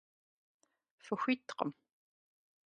Фыхуиткъым!